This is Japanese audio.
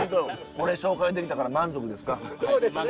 これ紹介できたから満足ですか？